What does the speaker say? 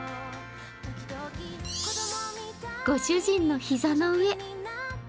ご主人の膝の上。